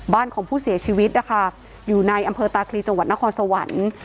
ของผู้เสียชีวิตนะคะอยู่ในอำเภอตาคลีจังหวัดนครสวรรค์